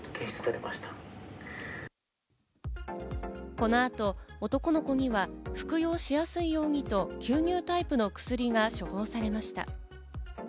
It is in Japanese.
この後、男の子には服用しやすいようにと吸入タイプの薬が処方されました。